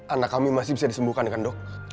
anak kami masih bisa disembuhkan kan dok